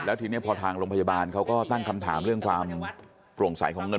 ทีนี้พอทางโรงพยาบาลเขาก็ตั้งคำถามเรื่องความโปร่งใสของเงิน